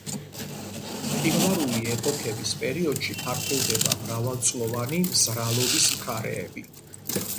მყინვარული ეპოქების პერიოდში ფართოვდება მრავალწლოვანი მზრალობის მხარეები.